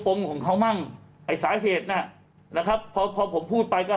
ของเขามั่งไอ้สาเหตุน่ะนะครับพอพอผมพูดไปก็